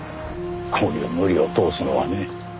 こういう無理を通すのはね。